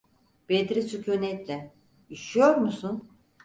Bedri sükûnetle: "Üşüyor musun?"